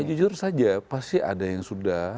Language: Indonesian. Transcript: jujur saja pasti ada yang sudah